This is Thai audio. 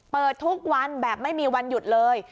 เปิดทุกวันแบบไม่มีวันหยุดเลย